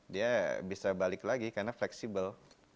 dia bisa balik lagi karena fleksibel